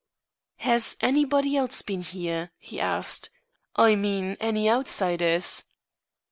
"Has anybody else been here?" he asked. "I mean any outsiders."